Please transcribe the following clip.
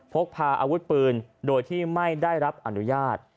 พกพาอาวุธปืนโดยที่ไม่ได้รับอนุญาต